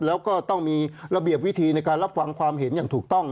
แล้วก็ต้องมีระเบียบวิธีในการรับฟังความเห็นอย่างถูกต้อง